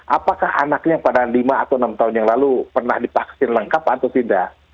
apakah anaknya pada lima atau enam tahun yang lalu pernah dipaksin lengkap atau tidak